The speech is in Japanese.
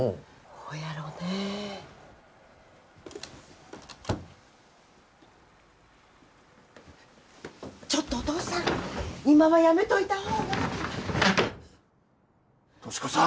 ほやろねえちょっとお父さん今はやめといたほうが俊子さん！